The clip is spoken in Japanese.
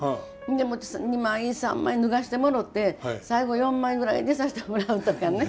で２枚３枚脱がしてもろて最後４枚ぐらいでさしてもらうとかね。